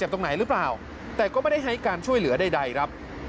แต่ก็ไม่ได้ให้การช่วยเหลือใดครับ